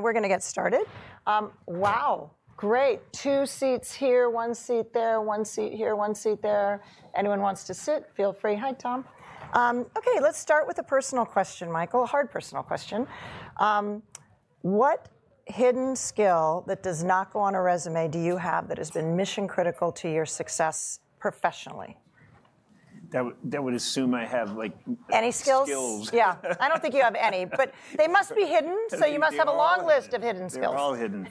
We're going to get started. Wow. Great. Two seats here, one seat there, one seat here, one seat there. Anyone wants to sit? Feel free. Hi, Tom. Ok, let's start with a personal question, Michael, a hard personal question. What hidden skill that does not go on a resume do you have that has been mission-critical to your success professionally? That would assume I have, like. Any skills? Skills. Yeah. I don't think you have any, but they must be hidden, so you must have a long list of hidden skills. They're all hidden.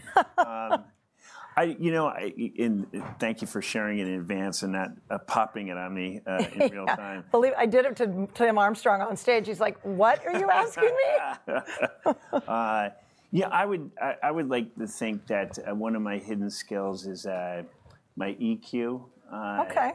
You know, thank you for sharing it in advance and not popping it on me in real time. I did it to Tim Armstrong on stage. He's like, what are you asking me? Yeah, I would like to think that one of my hidden skills is my EQ. OK.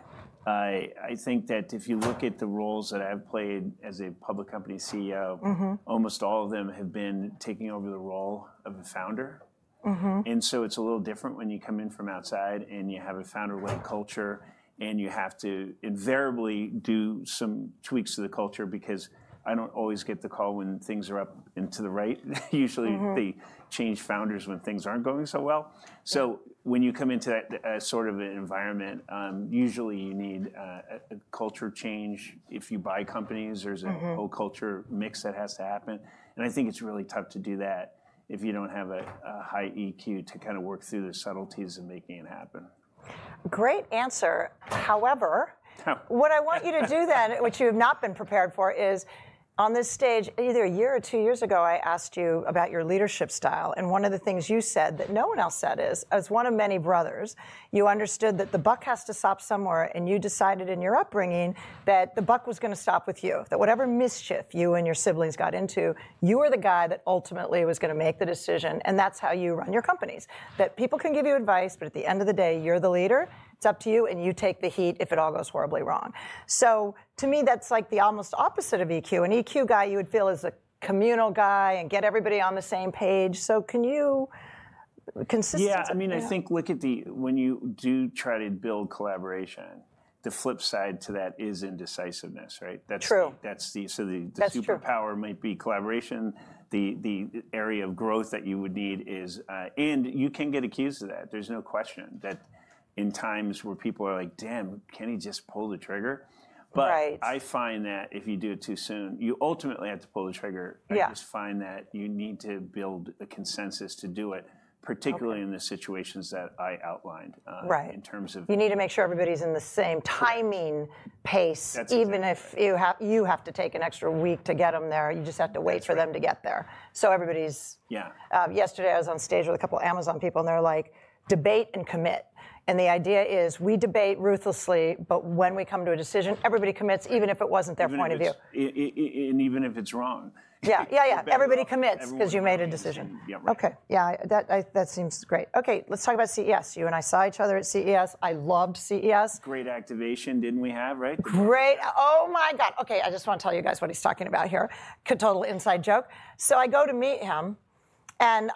I think that if you look at the roles that I've played as a Public Company CEO, almost all of them have been taking over the role of a Founder, and so it's a little different when you come in from outside and you have a founder-led culture and you have to invariably do some tweaks to the culture because I don't always get the call when things are up and to the right, usually they change founders when things aren't going so well, so when you come into that sort of an environment, usually you need a culture change, if you buy companies, there's a whole culture mix that has to happen, and I think it's really tough to do that if you don't have a high EQ to kind of work through the subtleties of making it happen. Great answer. However, what I want you to do then, which you have not been prepared for, is on this stage, either a year or two years ago, I asked you about your leadership style. And one of the things you said that no one else said is, as one of many brothers, you understood that the buck has to stop somewhere. And you decided in your upbringing that the buck was going to stop with you, that whatever mischief you and your siblings got into, you were the guy that ultimately was going to make the decision. And that's how you run your companies, that people can give you advice, but at the end of the day, you're the leader. It's up to you. And you take the heat if it all goes horribly wrong. So to me, that's like the almost opposite of EQ. An EQ guy, you would feel is a communal guy and get everybody on the same page. So can you consistently? Yeah. I mean, I think, look at when you do try to build collaboration, the flip side to that is indecisiveness, right? True. So the superpower might be collaboration. The area of growth that you would need is, and you can get accused of that. There's no question that in times where people are like, damn, can he just pull the trigger? But I find that if you do it too soon, you ultimately have to pull the trigger. I just find that you need to build a consensus to do it, particularly in the situations that I outlined in terms of. You need to make sure everybody's in the same timing pace. Even if you have to take an extra week to get them there, you just have to wait for them to get there. So, everybody's. Yesterday, I was on stage with a couple of Amazon people, and they're like, "debate and commit," and the idea is we debate ruthlessly, but when we come to a decision, everybody commits, even if it wasn't their point of view. And even if it's wrong. Yeah, yeah, yeah. Everybody commits because you made a decision. OK. Yeah, that seems great. OK, let's talk about CES. You and I saw each other at CES. I loved CES. Great activation, didn't we have, right? Great. Oh, my God. OK, I just want to tell you guys what he's talking about here. Total inside joke. So I go to meet him, and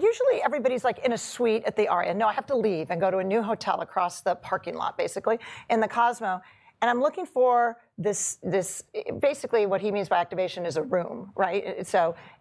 usually everybody's like in suite at the Wynn. No, I have to leave and go to a new hotel across the parking lot, basically, in the Cosmo. And I'm looking for this. Basically, what he means by activation is a room, right?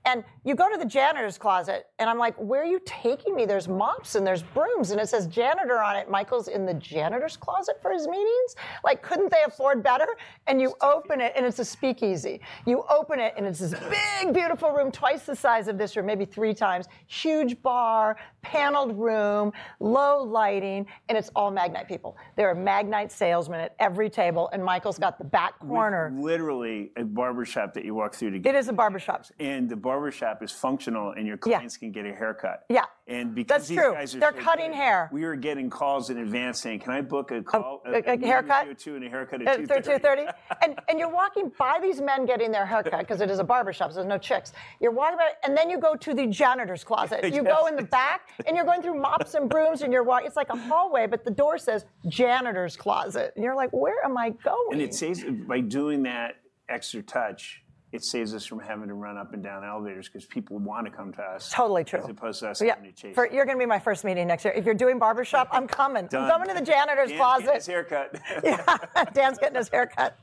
And you go to the janitor's closet, and I'm like, where are you taking me? There's mops and there's brooms, and it says janitor on it. Michael's in the janitor's closet for his meetings? Like, couldn't they afford better? And you open it, and it's a speakeasy. You open it, and it's this big, beautiful room, twice the size of this room, maybe three times, huge bar, paneled room, low lighting, and it's all Magnite people. There are Magnite salesmen at every table, and Michael's got the back corner. Literally, a barbershop that you walk through to get. It is a barbershop. The barbershop is functional, and your clients can get a haircut. Yeah. And because these guys are. That's true. They're cutting hair. We were getting calls in advance saying, Can I book a call? Oh, a haircut at 2:30. And you're walking by these men getting their haircut because it is a barbershop. There's no chicks. You're walking by, and then you go to the janitor's closet. You go in the back, and you're going through mops and brooms, and you're walking. It's like a hallway, but the door says janitor's closet, and you're like, where am I going? It saves by doing that extra touch. It saves us from having to run up and down elevators because people want to come to us. Totally true. As opposed to us having to chase them. You're going to be my first meeting next year. If you're doing barbershop, I'm coming. I'm coming to the janitor's closet. Dan's haircut. Dan's getting his haircut.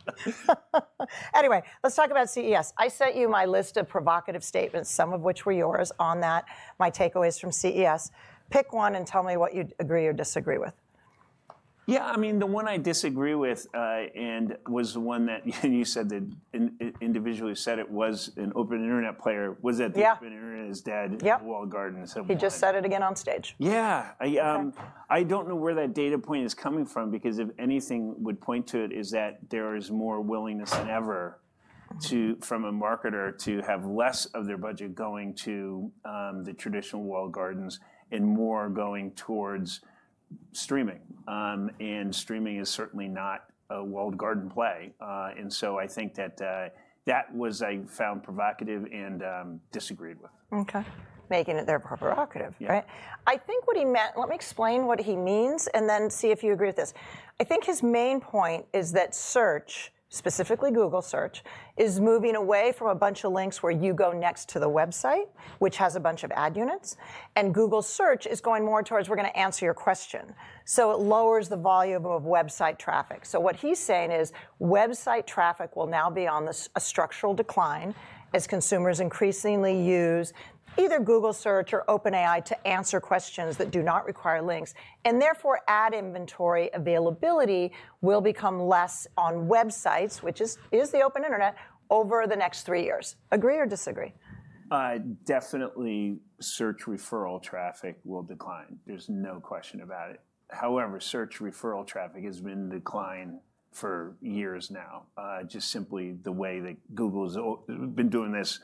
Anyway, let's talk about CES. I sent you my list of provocative statements, some of which were yours on that, my takeaways from CES. Pick one and tell me what you agree or disagree with. Yeah, I mean, the one I disagree with and was the one that you said that individually said it was an Open Internet player was that the Open Internet is dead in the walled garden. He just said it again on stage. Yeah. I don't know where that data point is coming from because if anything would point to it is that there is more willingness than ever from a marketer to have less of their budget going to the traditional walled gardens and more going towards streaming. And streaming is certainly not a walled garden play. And so I think that that was, I found, provocative and disagreed with. OK. Making it their provocative, right? I think what he meant, let me explain what he means and then see if you agree with this. I think his main point is that search, specifically Google search, is moving away from a bunch of links where you go next to the website, which has a bunch of ad units, and Google search is going more towards we're going to answer your question, so it lowers the volume of website traffic, so what he's saying is website traffic will now be on a structural decline as consumers increasingly use either Google search or OpenAI to answer questions that do not require links, and therefore, ad inventory availability will become less on websites, which is the Open Internet, over the next three years. Agree or disagree? Definitely, search referral traffic will decline. There's no question about it. However, search referral traffic has been in decline for years now, just simply the way that Google's been doing this.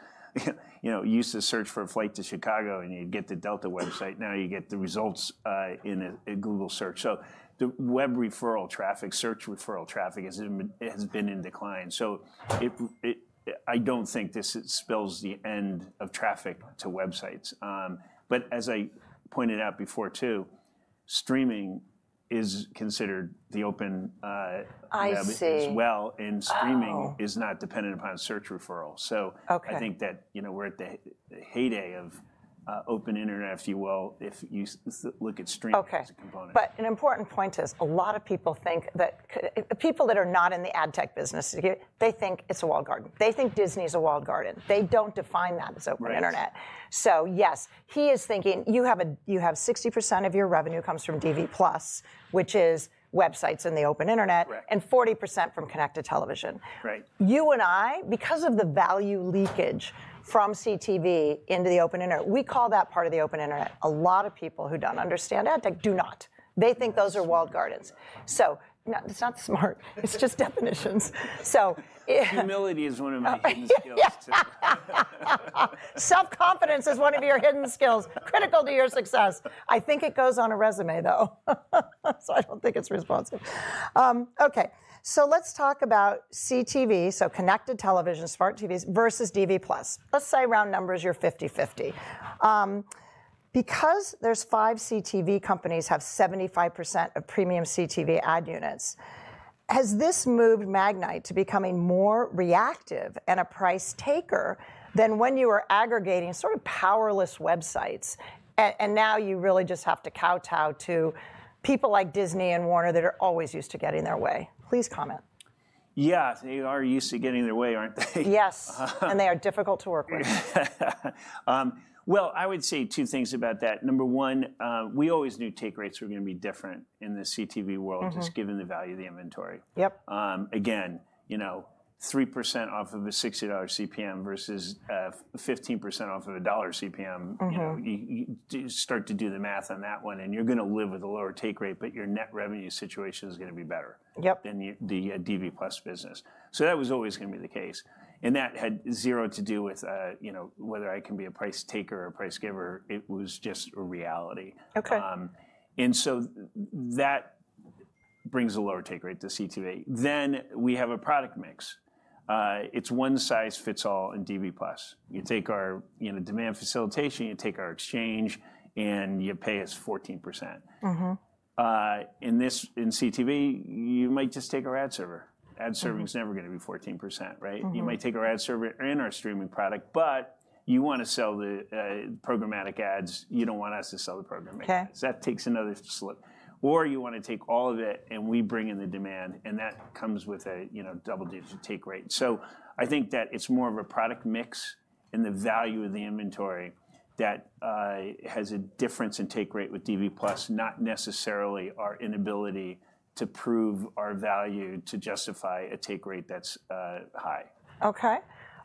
You used to search for a flight to Chicago, and you'd get the Delta website. Now you get the results in a Google search. So the web referral traffic, search referral traffic, has been in decline. So I don't think this spells the end of traffic to websites. But as I pointed out before, too, streaming is considered the open web as well. I see. Streaming is not dependent upon search referral. I think that we're at the heyday of Open Internet, if you will, if you look at streaming as a component. But an important point is a lot of people think that people that are not in the ad tech business, they think it's a walled garden. They think Disney's a walled garden. They don't define that as Open Internet. So yes, he is thinking you have 60% of your revenue comes from DV+, which is websites and the Open Internet, and 40% from connected television. You and I, because of the value leakage from CTV into the Open Internet, we call that part of the Open Internet. A lot of people who don't understand ad tech do not. They think those are walled gardens. So it's not smart. It's just definitions. Humility is one of my hidden skills, too. Self-confidence is one of your hidden skills, critical to your success. I think it goes on a resume, though, so I don't think it's responsive. OK, so let's talk about CTV, so connected television, smart TVs versus DV+. Let's say round numbers, you're 50/50. Because there's five CTV companies that have 75% of premium CTV ad units, has this moved Magnite to becoming more reactive and a price taker than when you were aggregating sort of powerless websites? And now you really just have to kowtow to people like Disney and Warner that are always used to getting their way. Please comment. Yeah, they are used to getting their way, aren't they? Yes, and they are difficult to work with. I would say two things about that. Number one, we always knew take rates were going to be different in the CTV world, just given the value of the inventory. Again, you know, 3% off of a $60 CPM versus 15% off of a dollar CPM, you start to do the math on that one, and you're going to live with a lower take rate, but your net revenue situation is going to be better than the DV+ business. That was always going to be the case. That had zero to do with whether I can be a price taker or a price giver. It was just a reality. That brings a lower take rate to CTV. We have a product mix. It's one size fits all in DV+. You take our demand facilitation, you take our exchange, and you pay us 14%. In CTV, you might just take our ad server. Ad serving is never going to be 14%, right? You might take our ad server and our streaming product, but you want to sell the programmatic ads. You don't want us to sell the programmatic ads. That takes another slice. Or you want to take all of it, and we bring in the demand, and that comes with a double-digit take rate. So I think that it's more of a product mix and the value of the inventory that has a difference in take rate with DV+, not necessarily our inability to prove our value to justify a take rate that's high. Okay,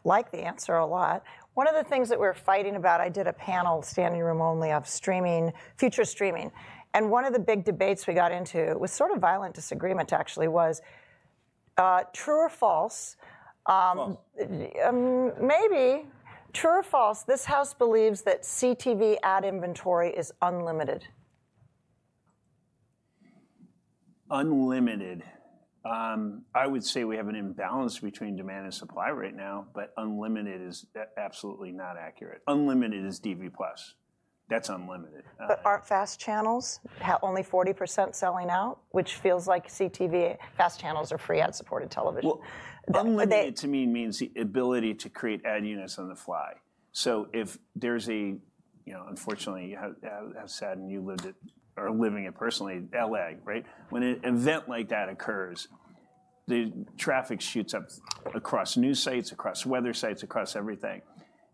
like the answer a lot. One of the things that we're fighting about, I did a panel, standing room only, of future streaming. And one of the big debates we got into was sort of violent disagreement, actually, was true or false? False. Maybe. True or false, this house believes that CTV ad inventory is unlimited? Unlimited. I would say we have an imbalance between demand and supply right now, but unlimited is absolutely not accurate. Unlimited is DV+. That's unlimited. But aren't FAST channels only 40% selling out, which feels like CTV FAST channels are free ad-supported television? Unlimited, to me, means the ability to create ad units on the fly. So if there's a, unfortunately, I've sat and you lived it or living it personally, L.A., right? When an event like that occurs, the traffic shoots up across news sites, across weather sites, across everything.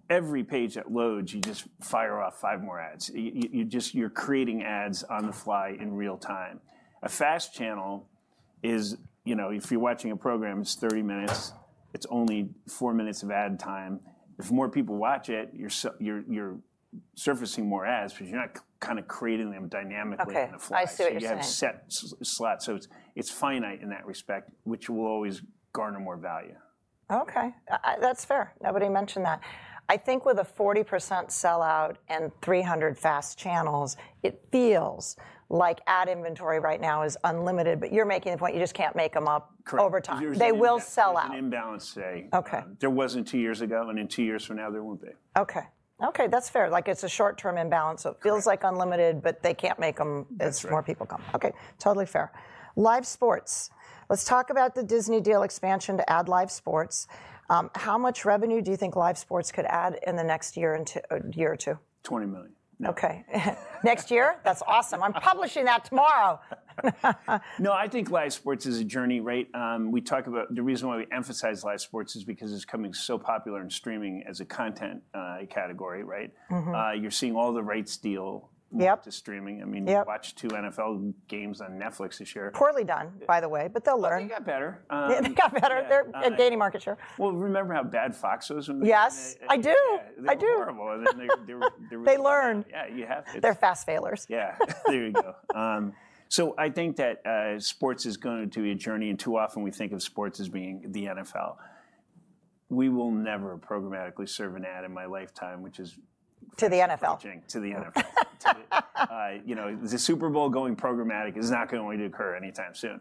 Every page that loads, you just fire off five more ads. You're creating ads on the fly in real time. A fast channel is, if you're watching a program, it's 30 minutes. It's only four minutes of ad time. If more people watch it, you're surfacing more ads because you're not kind of creating them dynamically on the fly. OK, I see what you're saying. You have set slots, so it's finite in that respect, which will always garner more value. OK, that's fair. Nobody mentioned that. I think with a 40% sellout and 300 FAST channels, it feels like ad inventory right now is unlimited, but you're making the point you just can't make them up over time. They will sell out. An imbalance, say. There wasn't two years ago, and in two years from now, there won't be. OK. OK, that's fair. Like, it's a short-term imbalance. It feels like unlimited, but they can't make them as more people come. OK, totally fair. Live sports. Let's talk about the Disney deal expansion to add live sports. How much revenue do you think live sports could add in the next year or two? $20 million. OK, next year? That's awesome. I'm publishing that tomorrow. No, I think live sports is a journey, right? We talk about the reason why we emphasize live sports is because it's becoming so popular in streaming as a content category, right? You're seeing all the rights deal to streaming. I mean, watch two NFL games on Netflix this year. Poorly done, by the way, but they'll learn. They got better. They got better. They're gaining market share. Remember how bad Fox was? Yes, I do. They were horrible. They learned. Yeah, you have to. They're fast failers. Yeah, there you go. So I think that sports is going to be a journey, and too often we think of sports as being the NFL. We will never programmatically serve an ad in my lifetime, which is. To the NFL. To the NFL. The Super Bowl-going programmatic is not going to occur anytime soon.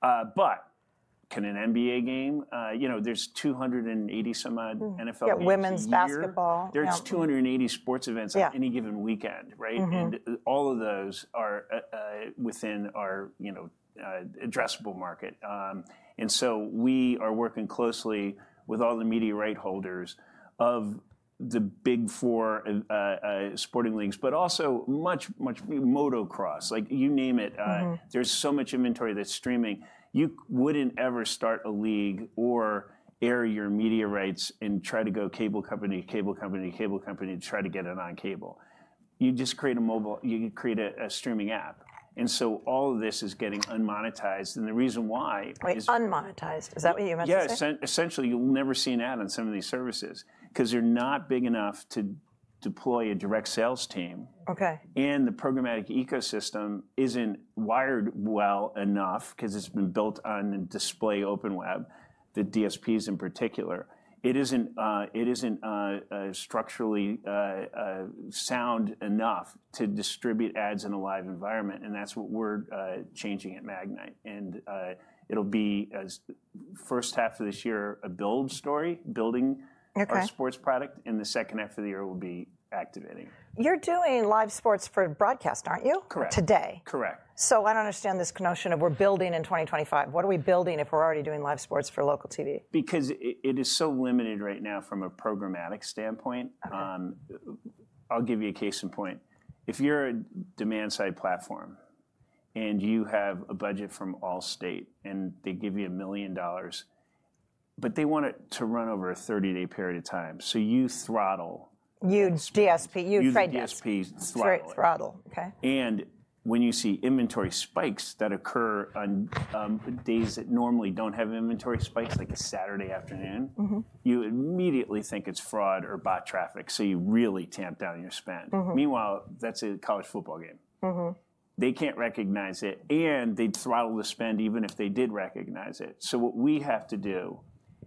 But can an NBA game? There's 280-some-odd NFL games. Yeah, women's basketball. There's 280 sports events on any given weekend, right? And all of those are within our addressable market. And so we are working closely with all the media rights holders of the Big 4 sporting leagues, but also much more motocross, like you name it. There's so much inventory that's streaming. You wouldn't ever start a league or air your media rights and try to go cable company, cable company, cable company to try to get it on cable. You just create a mobile app. You create a streaming app. And so all of this is getting monetized. And the reason why. Wait, unmonetized. Is that what you meant to say? Yeah, essentially, you'll never see an ad on some of these services because they're not big enough to deploy a direct sales team. And the programmatic ecosystem isn't wired well enough because it's been built on display open web, the DSPs in particular. It isn't structurally sound enough to distribute ads in a live environment. And that's what we're changing at Magnite. And it'll be, first half of this year, a build story, building a sports product. And the second half of the year will be activating. You're doing live sports for broadcast, aren't you? Correct. Today. Correct. So I don't understand this notion of we're building in 2025. What are we building if we're already doing live sports for local TV? Because it is so limited right now from a programmatic standpoint. I'll give you a case in point. If you're a demand-side platform and you have a budget from Allstate and they give you $1 million, but they want it to run over a 30-day period of time, so you use throttle. Your DSP, your Trade Desk, throttle. When you see inventory spikes that occur on days that normally don't have inventory spikes, like a Saturday afternoon, you immediately think it's fraud or bot traffic, so you really tamp down your spend. Meanwhile, that's a college football game. They can't recognize it, and they throttle the spend even if they did recognize it. What we have to do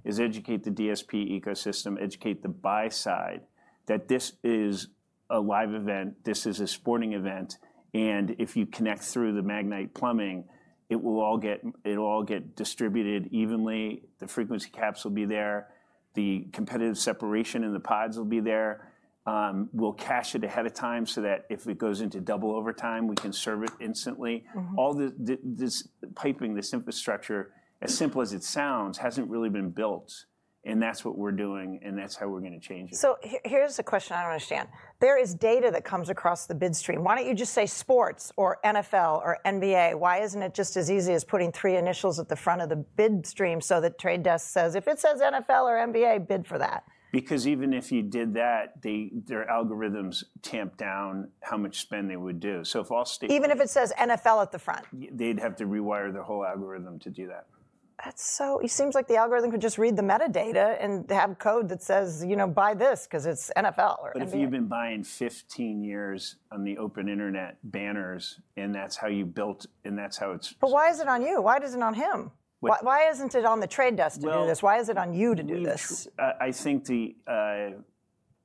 is educate the DSP ecosystem, educate the buy side that this is a live event, this is a sporting event, and if you connect through the Magnite plumbing, it will all get distributed evenly. The frequency caps will be there. The competitive separation in the pipes will be there. We'll cache it ahead of time so that if it goes into double overtime, we can serve it instantly. All this piping, this infrastructure, as simple as it sounds, hasn't really been built. That's what we're doing, and that's how we're going to change it. So here's a question I don't understand. There is data that comes across the bid stream. Why don't you just say sports or NFL or NBA? Why isn't it just as easy as putting three initials at the front of the bid stream so that The Trade Desk says, if it says NFL or NBA, bid for that? Because even if you did that, their algorithms tamp down how much spend they would do. So if Allstate. Even if it says NFL at the front. They'd have to rewire their whole algorithm to do that. It seems like the algorithm could just read the metadata and have code that says, you know, buy this because it's NFL or NBA. But if you've been buying 15 years on the Open Internet banners and that's how you built and that's how it's. But why is it on you? Why doesn't it on him? Why isn't it on the trade desk to do this? Why is it on you to do this? I think the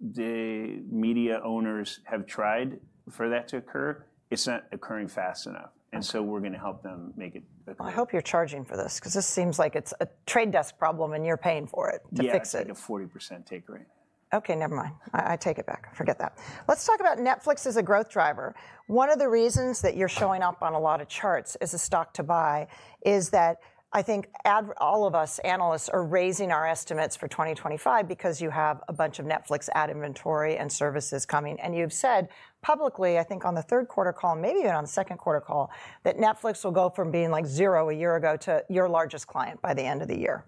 media owners have tried for that to occur. It's not occurring fast enough, and so we're going to help them make it occur. Well, I hope you're charging for this because this seems like it's a Trade Desk problem and you're paying for it to fix it. Yeah, at a 40% take rate. OK, never mind. I take it back. I forget that. Let's talk about Netflix as a growth driver. One of the reasons that you're showing up on a lot of charts as a stock to buy is that I think all of us analysts are raising our estimates for 2025 because you have a bunch of Netflix ad inventory and services coming, and you've said publicly, I think on the third quarter call, maybe even on the second quarter call, that Netflix will go from being like zero a year ago to your largest client by the end of the year.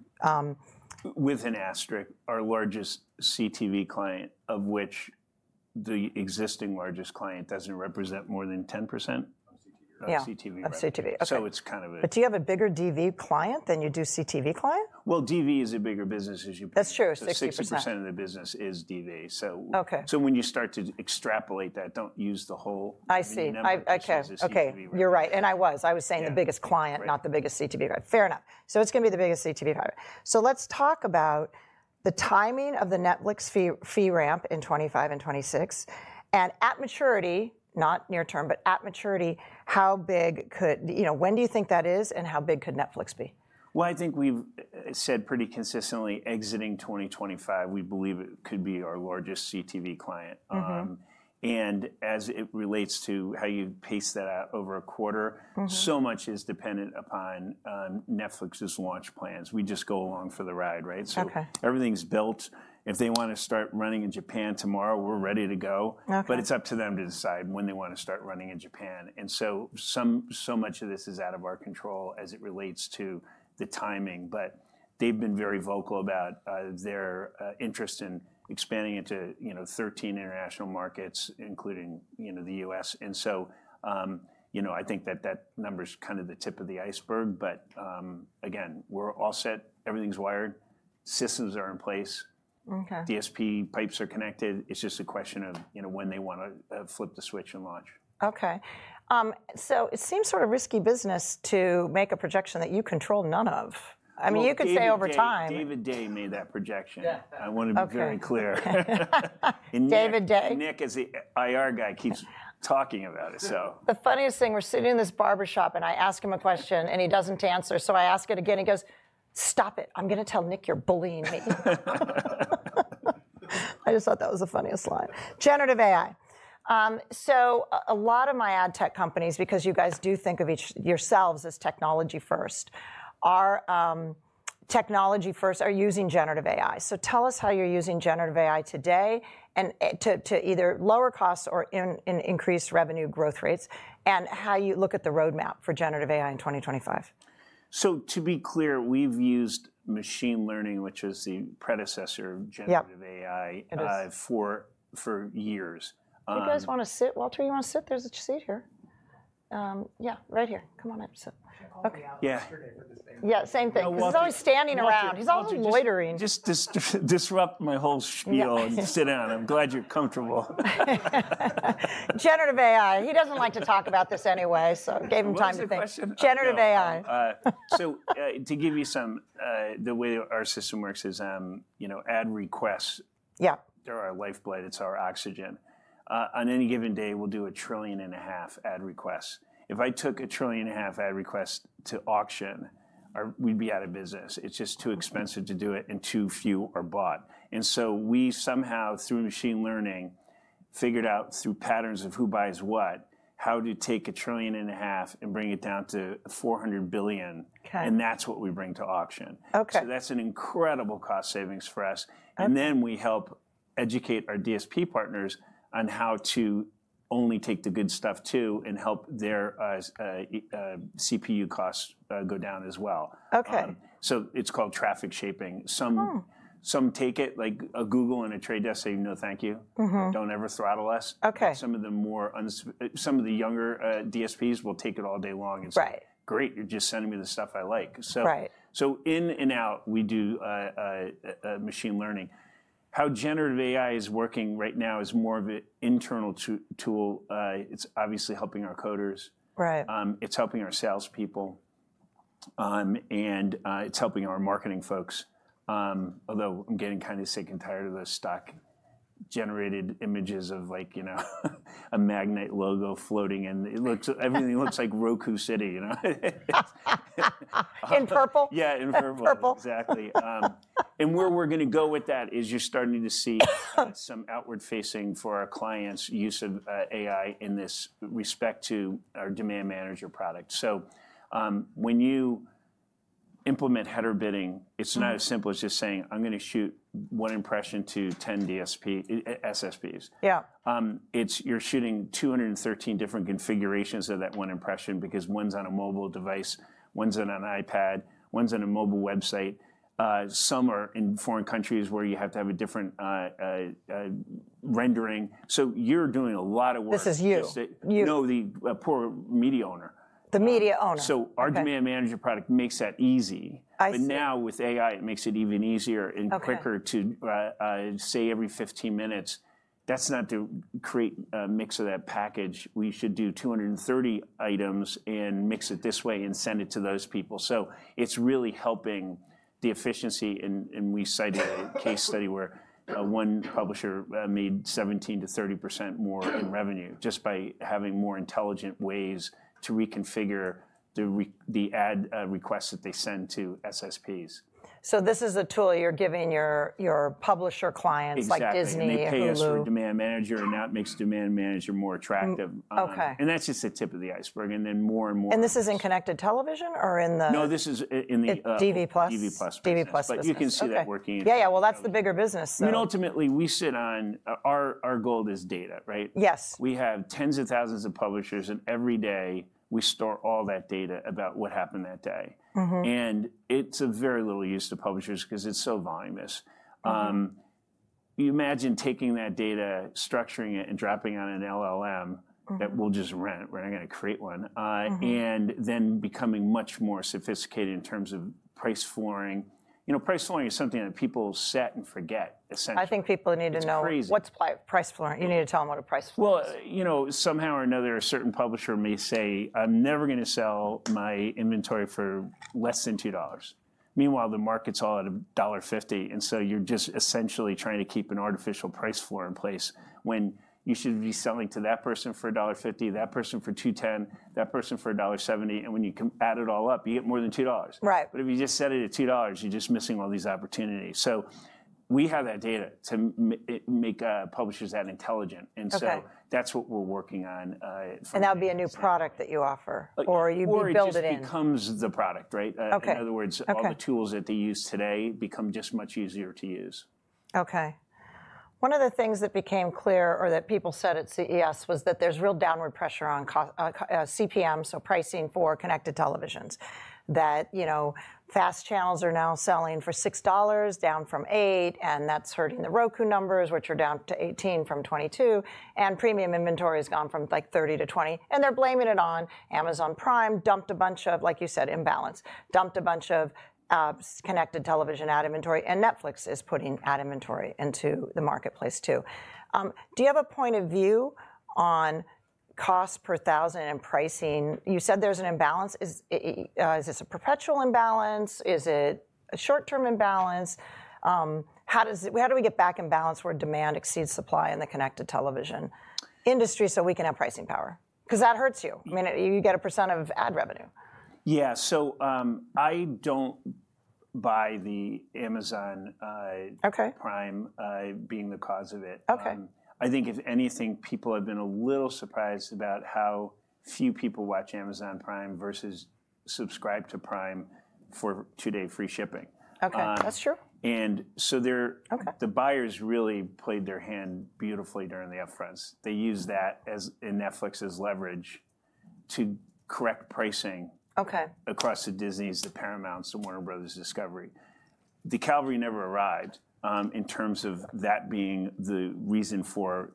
With an asterisk, our largest CTV client, of which the existing largest client doesn't represent more than 10% of CTV, right? But do you have a bigger DV client than you do CTV client? DV is a bigger business as you put it. That's true, 60%. 60% of the business is DV. So when you start to extrapolate that, don't use the whole I see. OK, you're right, and I was saying the biggest client, not the biggest CTV client. Fair enough, so it's going to be the biggest CTV client. Let's talk about the timing of the Netflix fee ramp in 2025 and 2026. At maturity, not near term, but at maturity, how big could you know, when do you think that is, and how big could Netflix be? I think we've said pretty consistently exiting 2025. We believe it could be our largest CTV client. As it relates to how you pace that out over a quarter, so much is dependent upon Netflix's launch plans. We just go along for the ride, right? Everything's built. If they want to start running in Japan tomorrow, we're ready to go. It's up to them to decide when they want to start running in Japan. So much of this is out of our control as it relates to the timing. They've been very vocal about their interest in expanding into 13 international markets, including the U.S. I think that number's kind of the tip of the iceberg. Again, we're all set. Everything's wired. Systems are in place. DSP pipes are connected. It's just a question of when they want to flip the switch and launch. OK. So it seems sort of risky business to make a projection that you control none of. I mean, you could say over time. I think David Day made that projection. I want to be very clear. David Day? Nick is the IR guy keeps talking about it, so. The funniest thing, we're sitting in this barbershop, and I ask him a question, and he doesn't answer. So I ask it again. He goes, "Stop it. I'm going to tell Nick you're bullying me." I just thought that was the funniest line. Generative AI. So a lot of my ad tech companies, because you guys do think of yourselves as technology first, are using generative AI. So tell us how you're using generative AI today to either lower costs or increase revenue growth rates and how you look at the roadmap for generative AI in 2025. To be clear, we've used machine learning, which is the predecessor of generative AI, for years. You guys want to sit, Walter? You want to sit? There's a seat here. Yeah, right here. Come on up. Yeah, same thing. He's always standing around. He's always loitering. Just disrupt my whole spiel and sit down. I'm glad you're comfortable. Generative AI. He doesn't like to talk about this anyway, so gave him time to think. Generative AI. To give you some, the way our system works is ad requests. Yeah. They're our lifeblood. It's our oxygen. On any given day, we'll do a trillion and a half ad requests. If I took a trillion and a half ad requests to auction, we'd be out of business. It's just too expensive to do it, and too few are bought. And so we somehow, through machine learning, figured out through patterns of who buys what, how to take a trillion and a half and bring it down to $400 billion. And that's what we bring to auction. So that's an incredible cost savings for us. And then we help educate our DSP partners on how to only take the good stuff too and help their CPU costs go down as well. So it's called traffic shaping. Some take it like Google and The Trade Desk say, no, thank you. Don't ever throttle us. Some of the younger DSPs will take it all day long and say, great, you're just sending me the stuff I like. So in and out, we do machine learning. How generative AI is working right now is more of an internal tool. It's obviously helping our coders. It's helping our salespeople. And it's helping our marketing folks. Although I'm getting kind of sick and tired of those stock-generated images of like a Magnite logo floating. And everything looks like Roku City. In purple? Yeah, in purple. Purple. Exactly, and where we're going to go with that is you're starting to see some outward facing for our clients' use of AI in this respect to our Demand Manager product. So when you implement header bidding, it's not as simple as just saying, I'm going to shoot one impression to 10 SSPs. Yeah. You're shooting 213 different configurations of that one impression because one's on a mobile device, one's on an iPad, one's on a mobile website. Some are in foreign countries where you have to have a different rendering. So you're doing a lot of work. This is you. No, the poor media owner. The media owner. Our Demand Manager product makes that easy. But now with AI, it makes it even easier and quicker to say every 15 minutes, that's not to create a mix of that package. We should do 230 items and mix it this way and send it to those people. So it's really helping the efficiency, and we cited a case study where one publisher made 17%-30% more in revenue just by having more intelligent ways to reconfigure the ad requests that they send to SSPs. So this is a tool you're giving your publisher clients like Disney, Hulu. Exactly. It makes your Demand Manager, and that makes Demand Manager more attractive, and that's just the tip of the iceberg, and then more and more. This is in connected television? No, this is in the. DV+. DV+. DV+ business. But you can see that working. Yeah, yeah. Well, that's the bigger business. I mean, ultimately, we sit on our goal is data, right? Yes. We have tens of thousands of publishers, and every day we store all that data about what happened that day, and it's of very little use to publishers because it's so voluminous. You imagine taking that data, structuring it, and dropping it on an LLM that we'll just rent. We're not going to create one, and then becoming much more sophisticated in terms of price flooring. You know, price flooring is something that people set and forget, essentially. I think people need to know what's price flooring. You need to tell them what a price flooring is. You know, somehow or another, a certain publisher may say, I'm never going to sell my inventory for less than $2. Meanwhile, the market's all at $1.50. And so you're just essentially trying to keep an artificial price floor in place when you should be selling to that person for $1.50, that person for $2.10, that person for $1.70. And when you add it all up, you get more than $2. Right. But if you just set it at $2, you're just missing all these opportunities. So we have that data to make publishers that intelligent. And so that's what we're working on. That'll be a new product that you offer or you build it in. Or it just becomes the product, right? In other words, all the tools that they use today become just much easier to use. Okay. One of the things that became clear or that people said at CES was that there's real downward pressure on CPM, so pricing for connected televisions, that FAST channels are now selling for $6, down from $8. And that's hurting the Roku numbers, which are down to $18 from $22. And premium inventory has gone from like $30 to $20. And they're blaming it on Amazon Prime, dumped a bunch of, like you said, imbalance, dumped a bunch of connected television ad inventory. And Netflix is putting ad inventory into the marketplace too. Do you have a point of view on cost per thousand and pricing? You said there's an imbalance. Is this a perpetual imbalance? Is it a short-term imbalance? How do we get back in balance where demand exceeds supply in the connected television industry so we can have pricing power? Because that hurts you. I mean, you get a % of ad revenue. Yeah. So I don't buy the Amazon Prime being the cause of it. I think if anything, people have been a little surprised about how few people watch Amazon Prime versus subscribe to Prime for two-day free shipping. OK, that's true. The buyers really played their hand beautifully during the upfronts. They used that in Netflix as leverage to correct pricing across to Disney's, the Paramount's, the Warner Bros. Discovery's. The cavalry never arrived in terms of that being the reason for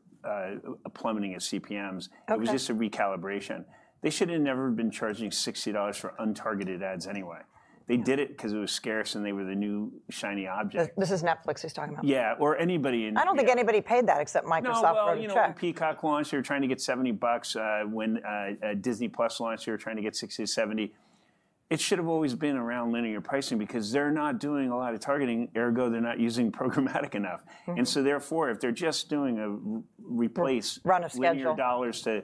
plummeting of CPMs. It was just a recalibration. They should have never been charging $60 for untargeted ads anyway. They did it because it was scarce and they were the new shiny object. This is Netflix he's talking about. Yeah, or anybody in. I don't think anybody paid that except Microsoft for a trip. You know, when Peacock launched, they were trying to get $70 bucks. When Disney+ launched, they were trying to get $60, $70. It should have always been around linear pricing because they're not doing a lot of targeting, ergo they're not using programmatic enough. And so therefore, if they're just doing a replace. Run of schedule. Million dollars to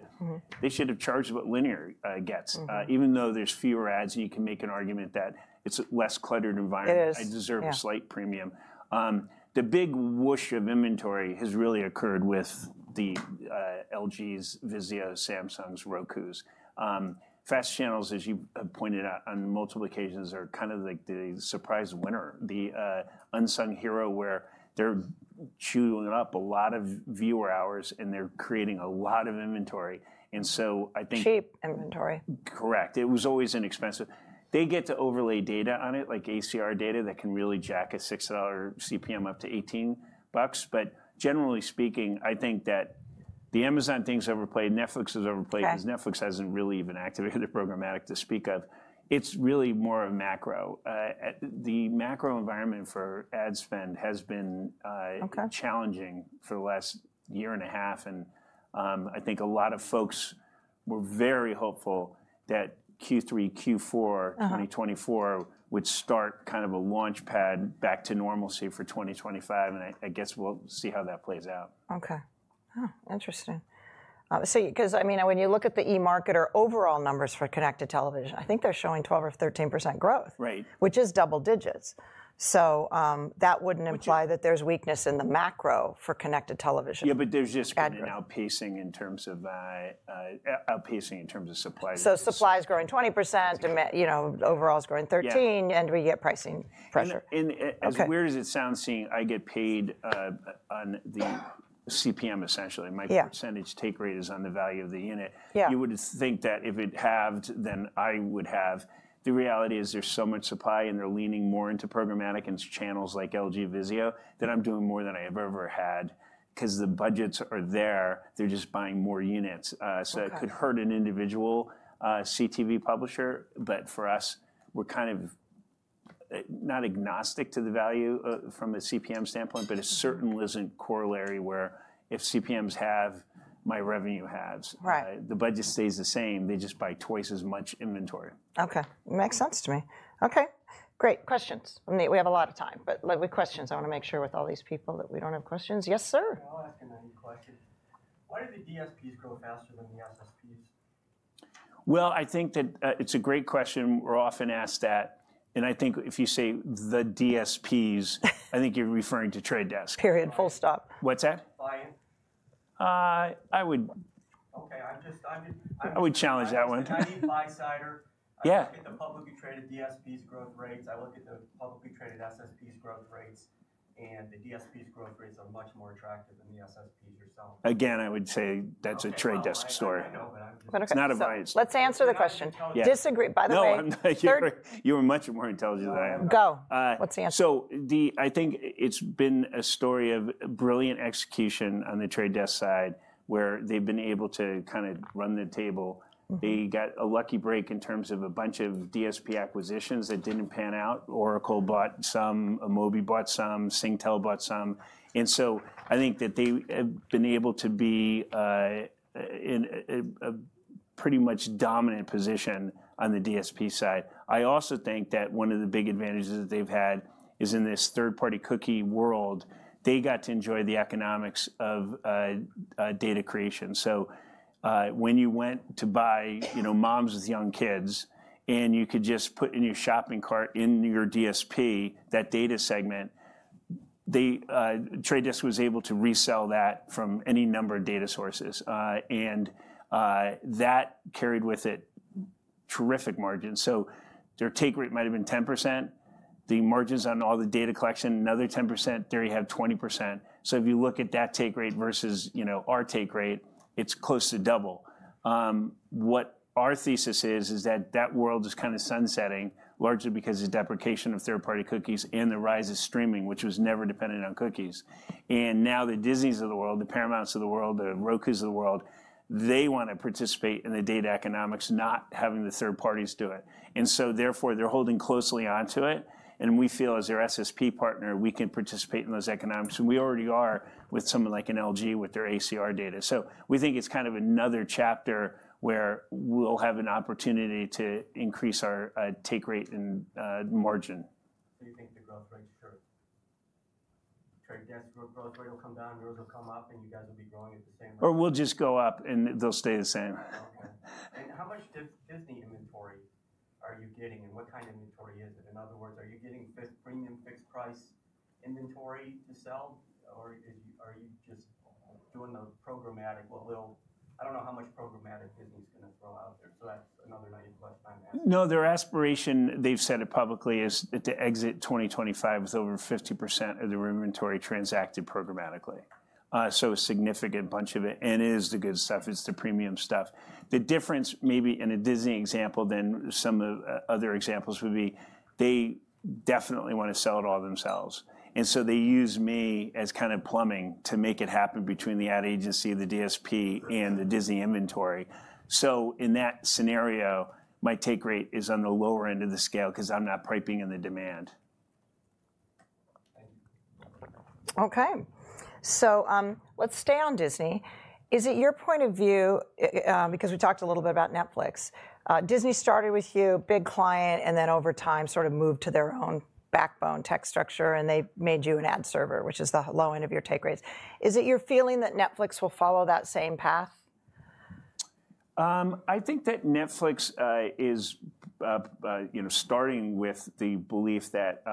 they should have charged what linear gets, even though there's fewer ads. And you can make an argument that it's a less cluttered environment. It deserves a slight premium. The big whoosh of inventory has really occurred with the LG's, Vizio's, Samsung's, Roku's. FAST channels, as you have pointed out on multiple occasions, are kind of like the surprise winner, the unsung hero where they're chewing up a lot of viewer hours, and they're creating a lot of inventory. And so I think. Cheap inventory. Correct. It was always inexpensive. They get to overlay data on it, like ACR data that can really jack a $6 CPM up to $18. But generally speaking, I think that the Amazon thing's overplayed. Netflix is overplayed because Netflix hasn't really even activated the programmatic to speak of. It's really more of macro. The macro environment for ad spend has been challenging for the last year and a half. And I think a lot of folks were very hopeful that Q3, Q4, 2024 would start kind of a launch pad back to normalcy for 2025. And I guess we'll see how that plays out. OK. Interesting. Because I mean, when you look at the eMarketer overall numbers for connected television, I think they're showing 12% or 13% growth, which is double digits. So that wouldn't imply that there's weakness in the macro for connected television. Yeah, but there's just outpacing in terms of supply. So supply is growing 20%. Overall is growing 13%. And we get pricing pressure. As weird as it sounds, since I get paid on the CPM, essentially, my percentage take rate is on the value of the unit. You would think that if it halved, then I would have. The reality is there's so much supply, and they're leaning more into programmatic and channels like LG, Vizio, that I'm doing more than I ever had because the budgets are there. They're just buying more units. So it could hurt an individual CTV publisher. But for us, we're kind of not agnostic to the value from a CPM standpoint, but it certainly isn't corollary where if CPMs halve, my revenue halves. The budget stays the same. They just buy twice as much inventory. OK. Makes sense to me. OK. Great. Questions. We have a lot of time. But with questions, I want to make sure with all these people that we don't have questions. Yes, sir. question? Why do the DSPs grow faster than the SSPs? I think that it's a great question. We're often asked that. I think if you say the DSPs, I think you're referring to Trade Desk. Period. Full stop. What's that? Buying. I would. OK. I would challenge that one. I look at the publicly traded DSPs' growth rates. I look at the publicly traded SSPs' growth rates. And the DSPs' growth rates are much more attractive than the SSPs' yourself. Again, I would say that's a Trade Desk story. It's not a bias. Let's answer the question. Disagree. By the way. No, you're much more intelligent than I am. Go. Let's answer. I think it's been a story of brilliant execution on The Trade Desk side where they've been able to kind of run the table. They got a lucky break in terms of a bunch of DSP acquisitions that didn't pan out. Oracle bought some. InMobi bought some. Singtel bought some. And so I think that they have been able to be in a pretty much dominant position on the DSP side. I also think that one of the big advantages that they've had is in this third-party cookie world, they got to enjoy the economics of data creation. When you went to buy moms with young kids and you could just put in your shopping cart in your DSP that data segment, The Trade Desk was able to resell that from any number of data sources. And that carried with it terrific margins. So their take rate might have been 10%. The margins on all the data collection, another 10%. There you have 20%. So if you look at that take rate versus our take rate, it's close to double. What our thesis is, is that that world is kind of sunsetting largely because of deprecation of third-party cookies and the rise of streaming, which was never dependent on cookies. And now the Disneys of the world, the Paramounts of the world, the Rokus of the world, they want to participate in the data economics, not having the third parties do it. And so therefore, they're holding closely onto it. And we feel as their SSP partner, we can participate in those economics. And we already are with someone like an LG with their ACR data. We think it's kind of another chapter where we'll have an opportunity to increase our take rate and margin. Do you think The Trade Desk's growth rate will come down, yours will come up Or we'll just go up, and they'll stay the same. Disney inventory are you getting, and what kind of inventory is it? In other words, are you getting premium fixed price inventory to sell, or are you just doing the programmatic? I don't know how much programmatic Disney is going to throw out there. No, their aspiration, they've said it publicly, is to exit 2025 with over 50% of their inventory transacted programmatically. So a significant bunch of it. And it is the good stuff. It's the premium stuff. The difference maybe in a Disney example than some other examples would be, they definitely want to sell it all themselves. And so they use me as kind of plumbing to make it happen between the ad agency, the DSP, and the Disney inventory. So in that scenario, my take rate is on the lower end of the scale because I'm not piping in the demand. OK. So let's stay on Disney. Is it your point of view, because we talked a little bit about Netflix, Disney started with you, big client, and then over time sort of moved to their own backbone tech structure. And they made you an ad server, which is the low end of your take rates. Is it your feeling that Netflix will follow that same path? I think that Netflix is starting with the belief that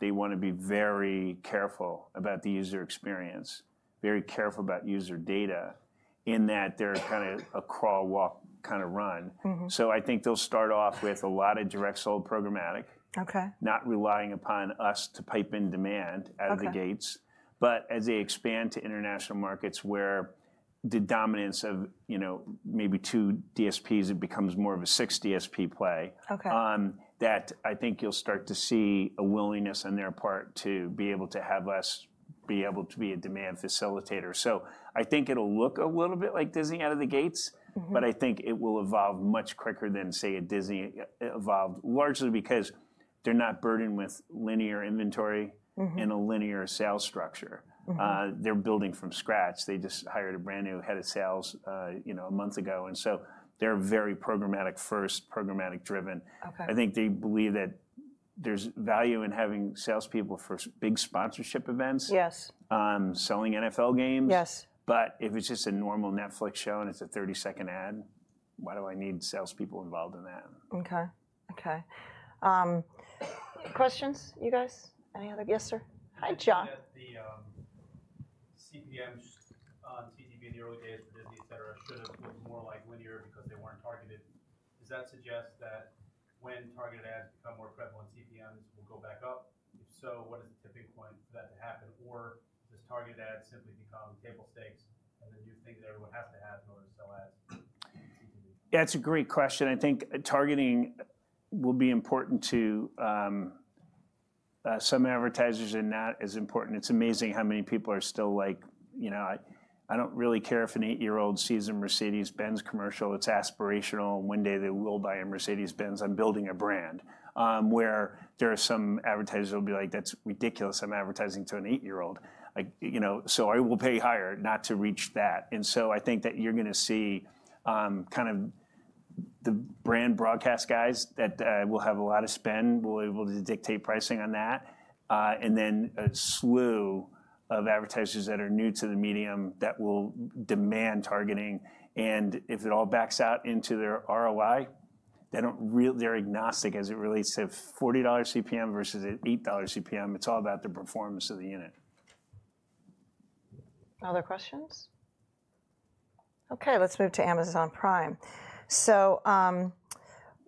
they want to be very careful about the user experience, very careful about user data in that they're kind of a crawl, walk, kind of run. So I think they'll start off with a lot of direct sold programmatic, not relying upon us to pipe in demand out of the gates. But as they expand to international markets where the dominance of maybe two DSPs, it becomes more of a six DSP play, that I think you'll start to see a willingness on their part to be able to have us be able to be a demand facilitator. So I think it'll look a little bit like Disney out of the gates. But I think it will evolve much quicker than, say, a Disney evolved, largely because they're not burdened with linear inventory and a linear sales structure. They're building from scratch. They just hired a brand new head of sales a month ago, and so they're very programmatic first, programmatic driven. I think they believe that there's value in having salespeople for big sponsorship events, selling NFL games, but if it's just a normal Netflix show and it's a 30-second ad, why do I need salespeople involved in that? OK. Questions, you guys? Any other? Yes, sir. Hi, John. CPMs on CTV in the early days for Disney, et cetera, should have looked more like linear because they weren't targeted. Does that suggest that when targeted ads become more prevalent, CPMs will go back up? If so, what is the tipping point for that to happen? Or does targeted ads simply become table stakes. That's a great question. I think targeting will be important to some advertisers and not as important. It's amazing how many people are still like, I don't really care if an eight-year-old sees a Mercedes-Benz commercial. It's aspirational. One day they will buy a Mercedes-Benz. I'm building a brand. Where there are some advertisers who will be like, that's ridiculous. I'm advertising to an eight-year-old. So I will pay higher not to reach that. And so I think that you're going to see kind of the brand broadcast guys that will have a lot of spend, will be able to dictate pricing on that, and then a slew of advertisers that are new to the medium that will demand targeting. And if it all backs out into their ROI, they're agnostic as it relates to $40 CPM versus an $8 CPM. It's all about the performance of the unit. Other questions? OK. Let's move to Amazon Prime. So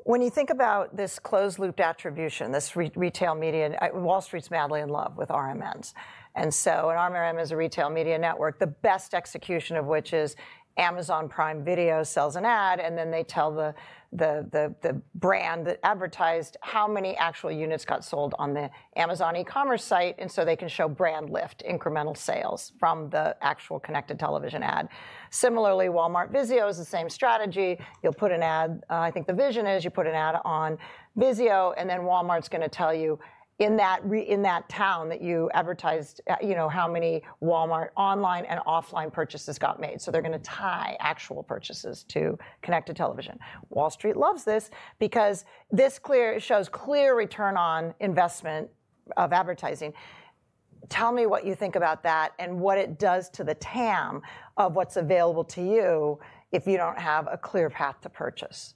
when you think about this closed-loop attribution, this retail media, Wall Street's madly in love with RMNs. And so RMN is a retail media network, the best execution of which is Amazon Prime Video sells an ad. And then they tell the brand that advertised how many actual units got sold on the Amazon e-commerce site. And so they can show brand lift, incremental sales from the actual connected television ad. Similarly, Walmart Vizio is the same strategy. You'll put an ad. I think the vision is you put an ad on Vizio. And then Walmart's going to tell you in that town that you advertised how many Walmart online and offline purchases got made. So they're going to tie actual purchases to connected television. Wall Street loves this because this shows clear return on investment of advertising. Tell me what you think about that and what it does to the TAM of what's available to you if you don't have a clear path to purchase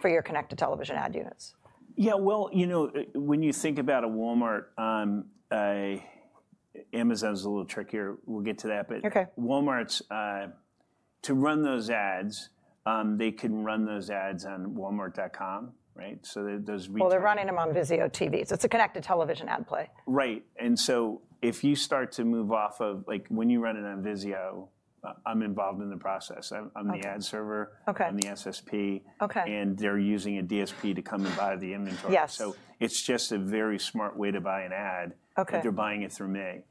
for your connected television ad units? Yeah. Well, you know when you think about a Walmart, Amazon's a little trickier. We'll get to that. But Walmart, to run those ads, they can run those ads on walmart.com. Right? So those. They're running them on Vizio TVs. It's a connected television ad play. Right. And so if you start to move off of like when you run it on Vizio, I'm involved in the process. I'm the ad server. I'm the SSP, and they're using a DSP to come and buy the inventory, so it's just a very smart way to buy an ad if they're buying it through me.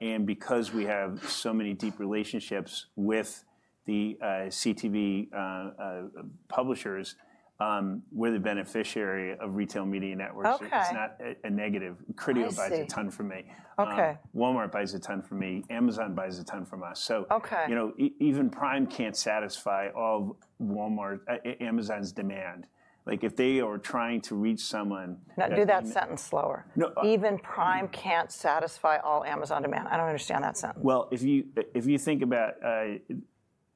And because we have so many deep relationships with the CTV publishers, we're the beneficiary of Retail Media Networks. It's not a negative. Criteo buys a ton from me. Walmart buys a ton from me. Amazon buys a ton from us, so even Prime can't satisfy all of Amazon's demand. If they are trying to reach someone. Do that sentence slower. Even Prime can't satisfy all Amazon demand. I don't understand that sentence. If you think about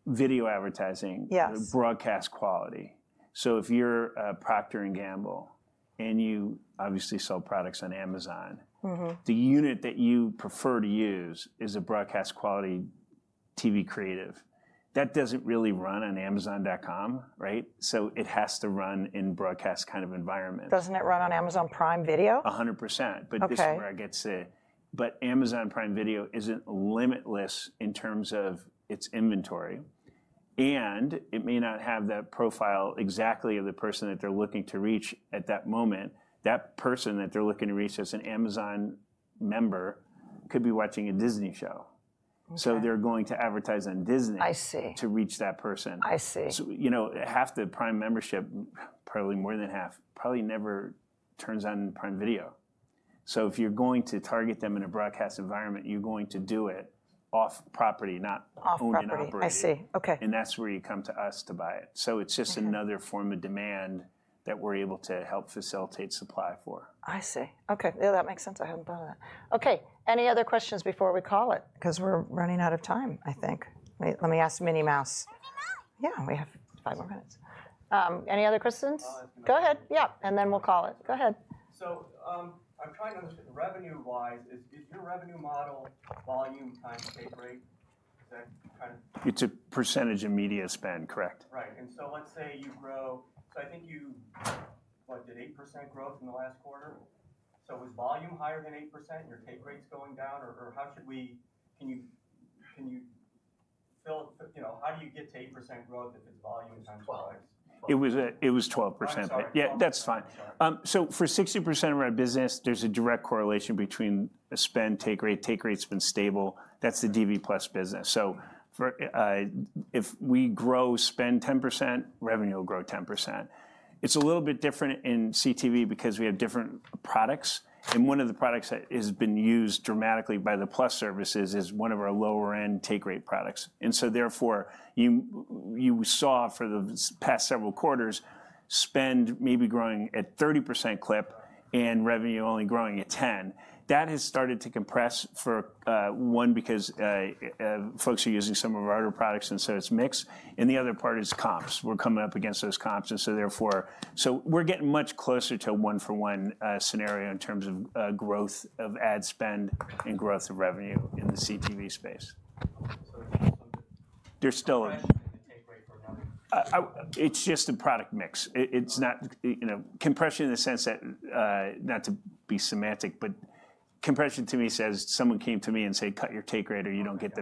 video advertising, broadcast quality. So if you're Procter & Gamble and you obviously sell products on Amazon, the unit that you prefer to use is a broadcast quality TV creative. That doesn't really run on amazon.com. Right? So it has to run in broadcast kind of environments. Doesn't it run on Amazon Prime Video? 100%. But this is where it gets to. But Amazon Prime Video isn't limitless in terms of its inventory. And it may not have that profile exactly of the person that they're looking to reach at that moment. That person that they're looking to reach as an Amazon member could be watching a Disney show. So they're going to advertise on Disney to reach that person. Half the Prime membership, probably more than half, probably never turns on Prime Video. So if you're going to target them in a broadcast environment, you're going to do it off property, not owned and operated. And that's where you come to us to buy it. So it's just another form of demand that we're able to help facilitate supply for. I see. OK. Yeah, that makes sense. I hadn't thought of that. OK. Any other questions before we call it? Because we're running out of time, I think. Let me ask Minnie Mouse. Yeah, we have five more minutes. Any other questions? Go ahead. Yeah. And then we'll call it. Go ahead. Revenue-wise, is your revenue model volume times take rate? It's a percentage of media spend. Correct. Right. And so let's say you grow, so I think you, what, did 8% growth in the last quarter? So is volume higher than 8% and your take rate's going down? Or how should we, can you fill, how do you get to 8% growth if it's volume times price? It was 12%. Yeah, that's fine. So for 60% of our business, there's a direct correlation between spend, take rate. Take rate's been stable. That's the DV+ business. So if we grow spend 10%, revenue will grow 10%. It's a little bit different in CTV because we have different products. And one of the products that has been used dramatically by the plus services is one of our lower-end take rate products. And so therefore, you saw for the past several quarters spend maybe growing at 30% clip and revenue only growing at 10%. That has started to compress for one, because folks are using some of our other products and so it's mixed. And the other part is comps. We're coming up against those comps. We're getting much closer to a one-for-one scenario in terms of growth of ad spend and growth of revenue in the CTV space. It's just a product mix. It's not compression in the sense that, not to be semantic, but compression to me says someone came to me and said, cut your take rate or you don't get.